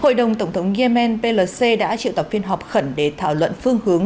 hội đồng tổng thống yemen plc đã triệu tập phiên họp khẩn để thảo luận phương hướng